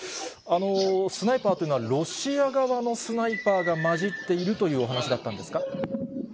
スナイパーというのは、ロシア側のスナイパーが混じっているというお話だったんですか。